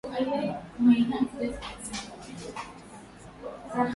Bwana Umeinuliwa aa, katika kiti chako cha enzi